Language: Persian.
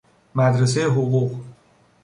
مدرسۀ حقوق